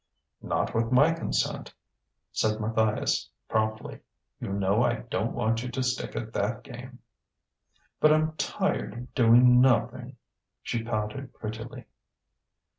"Not with my consent," said Matthias promptly. "You know I don't want you to stick at that game." "But I'm tired doing nothing," she pouted prettily.